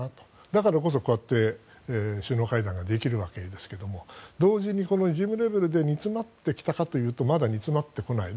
だからこそこうやって首脳会談ができるわけですが同時にこの事務レベルで煮詰まってきたかというとまだ煮詰まってこない。